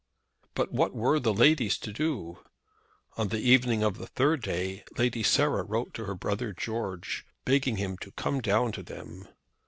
But what were the ladies to do? On the evening of the third day Lady Sarah wrote to her brother George, begging him to come down to them.